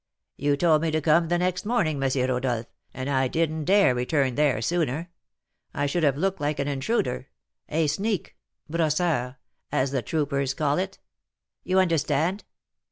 "You told me to come the next day morning, M. Rodolph, and I didn't dare return there sooner; I should have looked like an intruder, a sneak (brosseur), as the troopers call it. You understand?